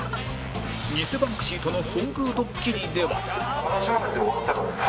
偽バンクシーとの遭遇ドッキリでは